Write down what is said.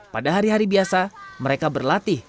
pada hari hari biasa mereka berlatih